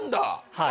はい。